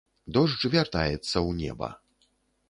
Дождж вяртаецца ў неба.